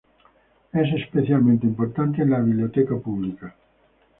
Es especialmente importante en la biblioteca pública.